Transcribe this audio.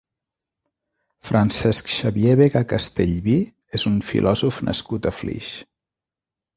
Francesc Xavier Vega Castellví és un filòsof nascut a Flix.